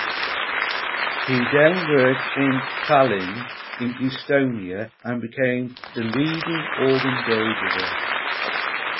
He then worked in Tallinn in Estonia and became the leading organ builder there.